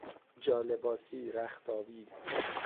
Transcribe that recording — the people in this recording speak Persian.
جالباسی، رخت آویز